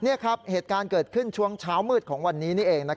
นี่ครับเหตุการณ์เกิดขึ้นช่วงเช้ามืดของวันนี้นี่เอง